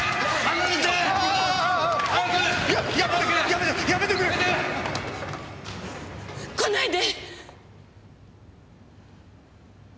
やめろやめてくれ！来ないで！